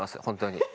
本当に。